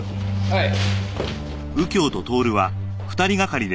はい。